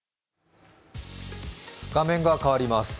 画面が変わります。